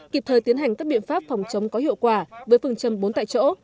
kịp thời tiến hành các biện pháp phòng chống có hiệu quả với phương châm bốn tại chỗ